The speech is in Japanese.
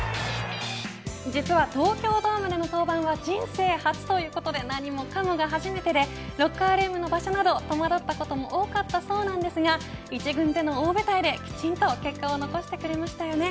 実は東京ドームでの登板は人生初ということで何もかもが初めてでロッカールームの場所など戸惑ったことも多かったそうなんですが１軍の大舞台できちんと結果を残してくれましたよね。